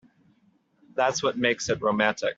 That's what makes it romantic.